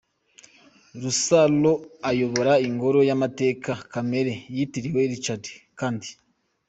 Rusaro ayobora ‘Ingoro y’Amateka Kamere’ yitiriwe Richard Kandt.